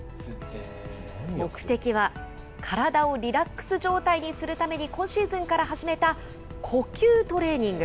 目的は、体をリラックス状態にするために、今シーズンから始めた呼吸トレーニング。